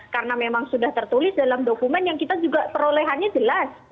karena memang sudah tertulis dalam dokumen yang kita juga perolehannya jelas